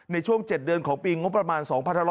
ในช่วง๗เดือนของปีงบประมาณ๒๕๖๐